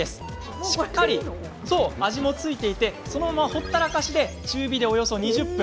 しっかり味も付いていてそのままほったらかしで中火でおよそ２０分。